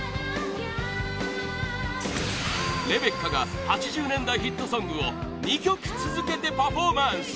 ＲＥＢＥＣＣＡが８０年代ヒットソングを２曲続けてパフォーマンス！